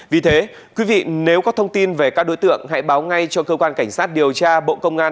vì thế quý vị nếu có thông tin về các đối tượng hãy báo ngay cho cơ quan cảnh sát điều tra bộ công an